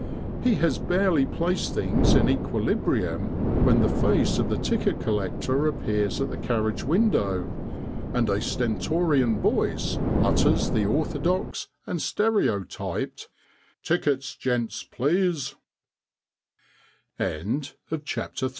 He has barely placed things in equilibrium when the face of the ticket collector appears at the carriage window, and a stentorian voice utters the orthodox and stereotyped